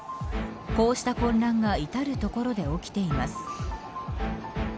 こうした混乱が至る所で起きています。